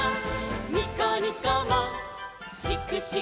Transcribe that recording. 「にこにこもしくしくも」